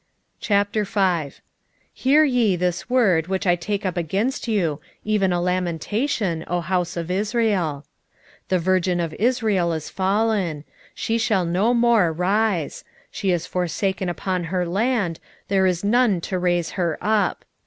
5:1 Hear ye this word which I take up against you, even a lamentation, O house of Israel. 5:2 The virgin of Israel is fallen; she shall no more rise: she is forsaken upon her land; there is none to raise her up.